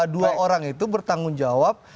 dua orang itu bertanggung jawab